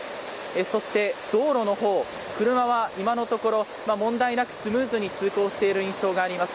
そして、道路のほう車は今のところ問題なくスムーズに通行している印象があります。